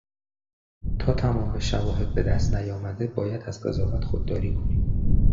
تا تمام شواهد بهدست نیامده باید از قضاوت خود داری کنیم.